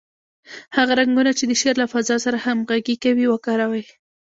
هغه رنګونه چې د شعر له فضا سره همغږي کوي، وکاروئ.